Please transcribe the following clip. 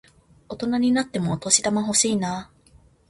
大人になってもお年玉欲しいなぁ。